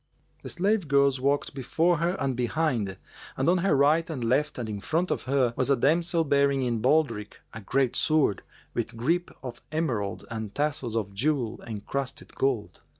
The slave girls walked before her and behind and on her right and left and in front of her was a damsel bearing in baldric a great sword, with grip of emerald and tassels of jewel encrusted gold.